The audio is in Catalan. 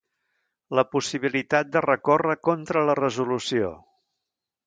La possibilitat de recórrer contra la resolució.